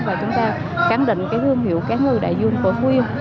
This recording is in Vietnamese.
và chúng ta khẳng định cái thương hiệu cá ngừ đại dương của phú yên